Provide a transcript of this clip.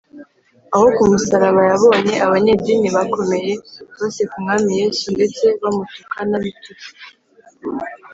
aho ku musaraba yabonye abanyedini bakomeye baseka umwami yesu ndetse bamutuka n’ibitutsi